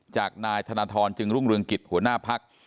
จากนายธนทรจึงรุ่งเรืองกิจหัวหน้าพัก